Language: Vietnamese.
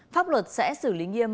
pháp luật sẽ xử lý nghiêm